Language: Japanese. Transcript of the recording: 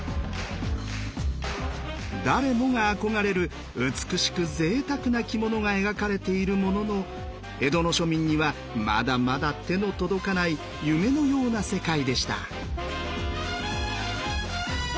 誰もが憧れる美しくぜいたくな着物が描かれているものの江戸の庶民にはまだまだ手の届かない夢のような世界でした。